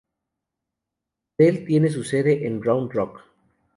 Dell tiene su sede en Round Rock.